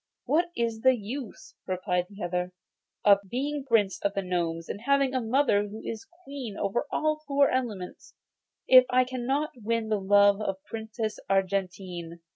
'What is the use,' replied the other, 'of being Prince of the Gnomes, and having a mother who is queen over all the four elements, if I cannot win the love of the Princess Argentine?